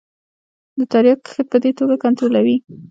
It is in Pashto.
د تریاکو کښت په دې توګه کنترولوي.